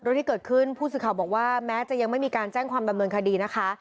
เรื่องที่เกิดขึ้นผู้สื่อข่าวบอกว่าแม้จะยังไม่มีการแจ้งความดำเนินคดีนะคะ